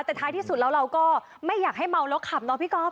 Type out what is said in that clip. แต่ท้ายที่สุดแล้วเราก็ไม่อยากให้เมาแล้วขับเนาะพี่ก๊อฟ